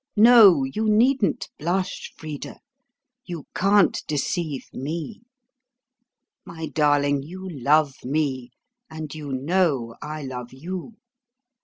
"No, you needn't blush, Frida; you can't deceive me.... My darling, you love me, and you know I love you.